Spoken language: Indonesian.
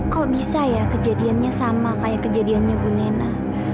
kok bisa ya kejadiannya sama kayak kejadiannya bu nena